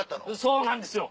そうなんですよ！